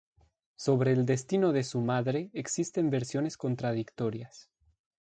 Sobre el destino de su madre, existen versiones contradictorias.